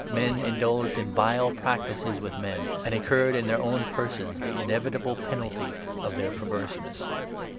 Men indulged in vile practices with men, and incurred in their own persons the inevitable penalty of their perverseness.